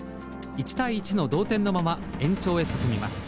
１対１の同点のまま延長へ進みます。